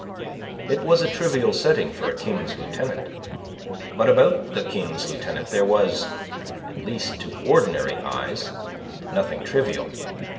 It was a trivial setting for a King's Lieutenant, but about the King's Lieutenant there was at least to ordinary eyes nothing trivial.